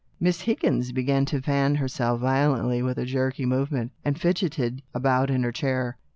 Miss Higgins began to fan herself violently with a jerky movement, and fidgetted about in her chair.